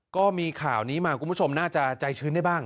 ก็มีข่าวนี้มาคุณผู้ชมน่าจะใจชื้นได้บ้าง